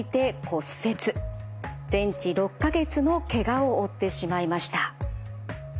全治６か月のケガを負ってしまいました。